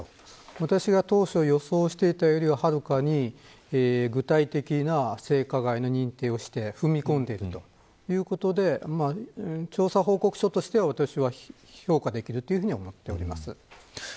私が当初予想していたよりははるかに具体的な性加害の認定をして踏み込んでいるということで調査報告書としては私は評価できるというふうに思っております。